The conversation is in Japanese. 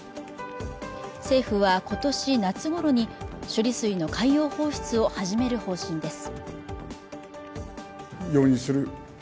政府は今年夏ごろに処理水の海洋放出を始める方針です。